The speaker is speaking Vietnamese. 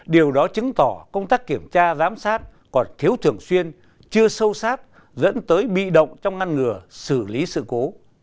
điều đó chứng tỏ công tác kiểm tra giám sát còn thiếu thường xuyên chưa sâu sát dẫn tới bị động trong ngăn ngừa xử lý sự cố